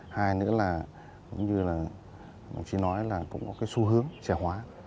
hai nữa là cũng như là đồng chí nói là cũng có cái xu hướng trẻ hóa